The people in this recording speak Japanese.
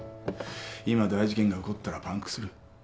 今大事件が起こったらパンクする。